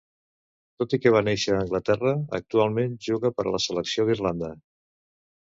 Tot i que va néixer a Anglaterra, actualment juga per a la selecció d'Irlanda.